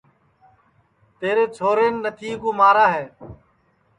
تیرے چھورین نتھیے کُو مارا ہے